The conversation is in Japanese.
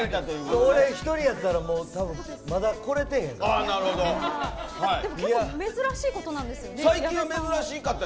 俺１人やったら多分、まだ来れてへんから。